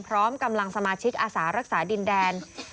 พร้อมกำลังสมาชิกอาสารักษาดินแดน